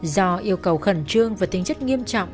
do yêu cầu khẩn trương và tính chất nghiêm trọng